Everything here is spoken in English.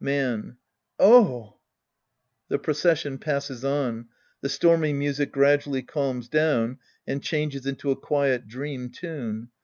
Man. Oh ! {The procession passes on. The stormy music gra dually calms down and changes into a quiet dream tune.